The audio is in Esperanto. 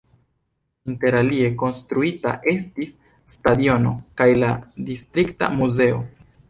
Interalie konstruita estis stadiono kaj la distrikta muzeo.